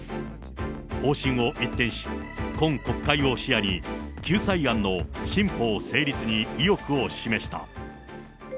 方針を一転し、今国会を視野に、救済案の新法成立に意欲を示した。